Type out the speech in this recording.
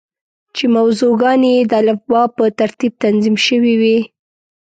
چې موضوع ګانې یې د الفبا په ترتیب تنظیم شوې وې.